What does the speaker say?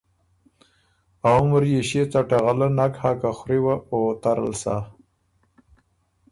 ا عمر يې ݭيې څټه غلۀ نک هۀ که خوری وه او ترل سۀ۔